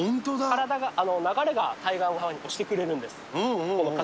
体が、流れが対岸側に押してくれるんです。